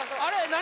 何？